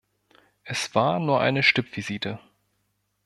Es war nur eine Stippvisite.